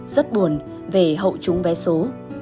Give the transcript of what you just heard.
rất buồn về hậu chúng vé số